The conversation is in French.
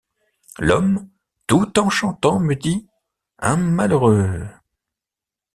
L’homme, tout en chantant, me dit :— Un malheureux.